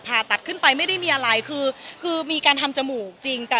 จะใช้ลายคือมีการทำจมูกจริง